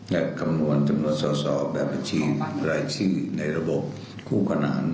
ในกำนวณจำนวนสาวแบบประชิตรายชื่อในระบบคู่ขนาน